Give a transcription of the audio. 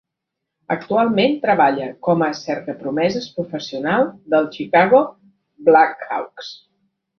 Actualment treballa com a cercapromeses professional dels Chicago Blackhawks.